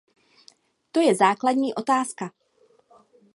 To je základní otázka.